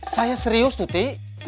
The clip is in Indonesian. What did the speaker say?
saya serius tuh ti